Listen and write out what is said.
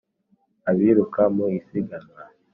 Abiruka mu isiganwa